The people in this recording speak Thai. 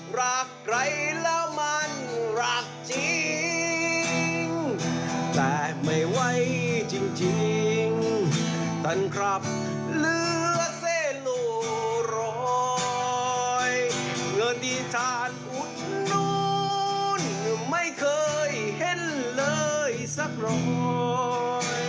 ประหลาดรับเลือดเส้นโลร้อยเงินที่ท่านหุดนุ้นไม่เคยเห็นเลยสักร้อย